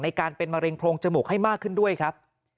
การเป็นมะเร็งโพรงจมูกให้มากขึ้นด้วยครับ